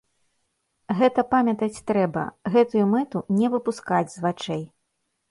Гэта памятаць трэба, гэтую мэту не выпускаць з вачэй.